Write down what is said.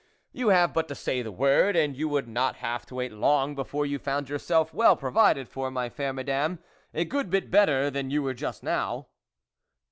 You have but to say the word, and you would not have to wait long before you found yourself well provided for, my fair Madame, a good bit better than you were just now."